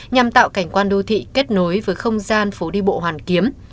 nhằm tạo cảnh quan đô thị kết nối với không gian phố đi bộ hoàn kiếm